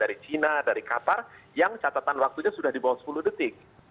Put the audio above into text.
dari cina dari qatar yang catatan waktunya sudah di bawah sepuluh detik